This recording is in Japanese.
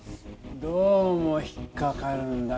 どうも引っかかるんだ。